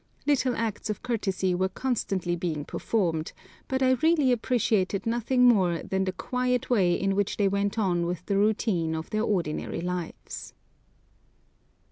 Little acts of courtesy were constantly being performed; but I really appreciated nothing more than the quiet way in which they went on with the routine of their ordinary lives.